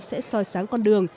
sẽ soi sáng con đường